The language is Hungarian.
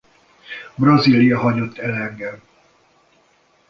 Brazília hagyott el engem.